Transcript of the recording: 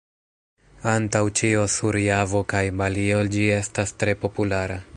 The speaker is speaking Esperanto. Antaŭ ĉio sur Javo kaj Balio ĝi estas tre populara.